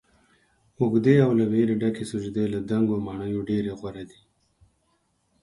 اوږدې او له ويرې ډکې سجدې له دنګو ماڼیو ډيرې غوره دي